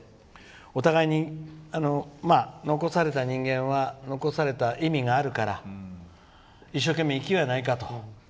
お互いに、残された人間は残された意味があるから一生懸命、生きようやないかと。